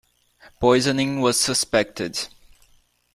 Poisoning was suspected.